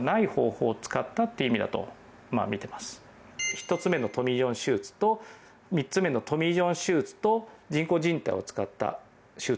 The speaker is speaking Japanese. １つ目のトミー・ジョン手術と３つ目のトミー・ジョン手術と人工じん帯を使った手術。